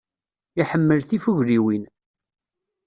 Iḥemmel tifugliwin.